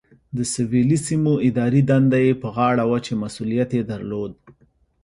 د سویلي سیمو اداري دنده یې په غاړه وه چې مسؤلیت یې درلود.